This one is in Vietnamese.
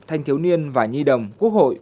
thanh thiếu niên và nhi đồng quốc hội